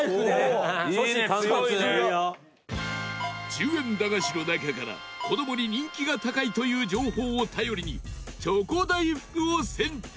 １０円駄菓子の中から子供に人気が高いという情報を頼りにチョコ大福を選択